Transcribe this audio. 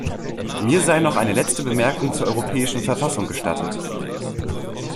Mir sei noch eine letzte Bemerkung zur europäischen Verfassung gestattet.